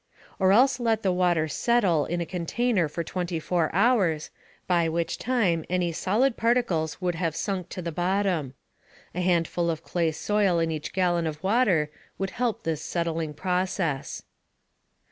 Or else let the water "settle" in a container for 24 hours, by which time any solid particles would have sunk to the bottom. A handful of clay soil in each gallon of water would help this settling process.